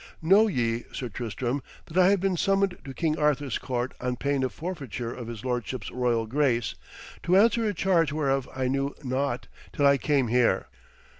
Know ye, Sir Tristram, that I have been summoned to King Arthur's court on pain of forfeiture of his lordship's royal grace, to answer a charge whereof I knew naught till I came here.